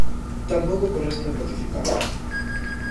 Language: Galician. Tampouco co resto de participantes.